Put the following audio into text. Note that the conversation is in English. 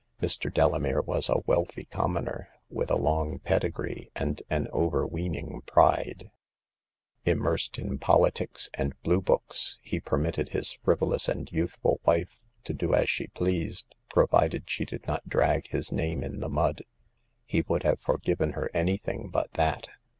Mr. Delamere was a wealthy commoner, with along pedigree, and an over weening tjuda^ 16 . 242 Hagar of the Pawn Shop. Immersed in politics and Blue books, he per mitted his frivolous and youthful wife to do as she pleased, provided she did not drag his name in the mud. He would have forgiven her any thing but that.